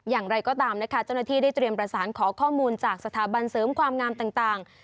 อย่างไรก็ตามนะคะเจ้าหน้าที่ได้เตรียมประสานขอข้อมูลจากสถาบันเสริมความงามต่าง